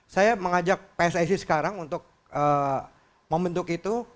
saya mengajak pssi sekarang untuk membentuk itu